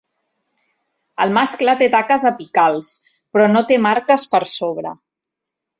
El mascle té taques apicals, però no té marques per sobre.